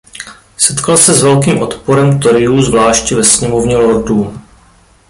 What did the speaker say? Setkal se s velkým odporem Toryů zvláště ve Sněmovně lordů.